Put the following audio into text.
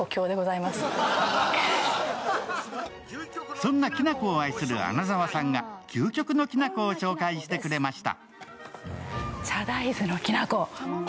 そんなきな粉を愛する穴沢さんが究極のきな粉を紹介してくれました。